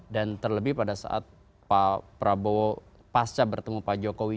dan terlebih pada saat pak prabowo pasca bertemu pak jokowi